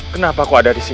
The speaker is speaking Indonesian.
kenapa kau ada disini